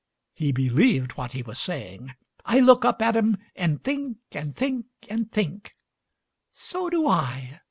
He believed what he was saying. "I look up at 'em, and think and think and think " "So do I."